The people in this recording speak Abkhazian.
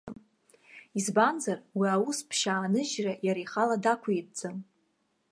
Избанзар, уи аус-ԥшьа ааныжьра иара ихала дақәиҭӡам.